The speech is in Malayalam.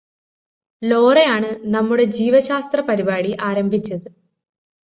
ലോറയാണ് നമ്മുടെ ജീവശാസ്ത്ര പരിപാടി ആരംഭിച്ചത്